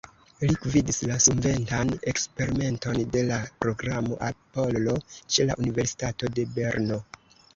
Li gvidis la sunventan eksperimenton de la programo Apollo ĉe la Universitato de Berno.